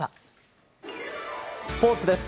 スポーツです。